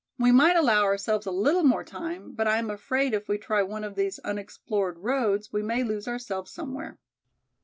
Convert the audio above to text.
We might allow ourselves a little more time but I am afraid if we try one of these unexplored roads we may lose ourselves somewhere."